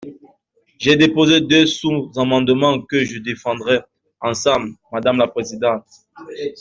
J’ai déposé deux sous-amendements que je défendrai ensemble, madame la présidente.